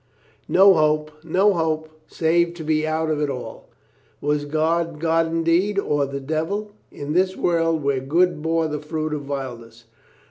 No hope, no hope, save to be out of it all. Was God God indeed, or the devil, in this world where good bore the fruit of vileness?